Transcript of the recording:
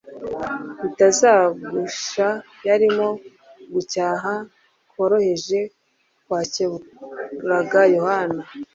bitazagusha yarimo gucyaha koroheje kwakeburaga Yohana.